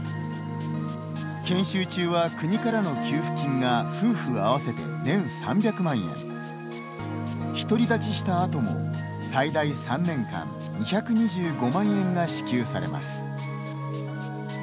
研修中は国からの給付金が夫婦合わせて年３００万円独り立ちしたあとも、最大３年間２２５万円が支給されます。